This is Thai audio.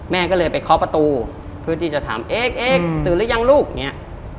แม่ก็เลยไปเคาะประตูเพื่อที่จะถามเอ๊กเอ็กตื่นหรือยังลูกอย่างนี้